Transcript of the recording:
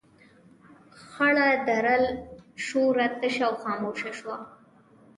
خړه دره له شوره تشه او خاموشه شوه.